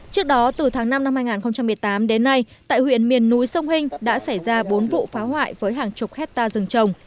trước đó từ tháng năm năm hai nghìn một mươi tám đến nay tại huyện miền núi sông hinh đã xảy ra bốn vụ phá hoại với hàng chục hectare rừng trồng